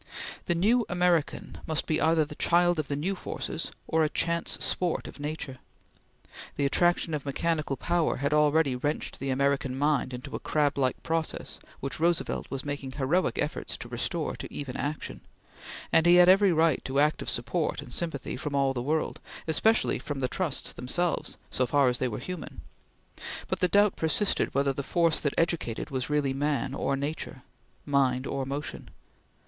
The new American must be either the child of the new forces or a chance sport of nature. The attraction of mechanical power had already wrenched the American mind into a crab like process which Roosevelt was making heroic efforts to restore to even action, and he had every right to active support and sympathy from all the world, especially from the Trusts themselves so far as they were human; but the doubt persisted whether the force that educated was really man or nature mind or motion.